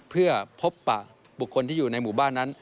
เพื่อพบปะบุคคลที่อยู่ในหมู่บ้านนั้น